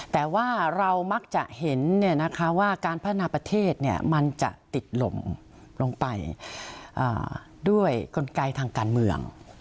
แต่ว่าเรามักจะเห็นว่าการพัฒนาประเทศมันจะติดลมลงไปด้วยกลไกทางการเมือง